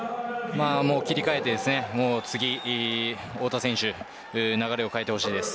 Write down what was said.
切り替えて次の太田選手に流れを変えてほしいです。